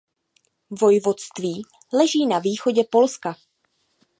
Vojvodství leží na východě Polska.